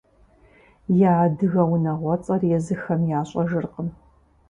Я адыгэ унагъуэцӀэр езыхэм ящӀэжыркъым.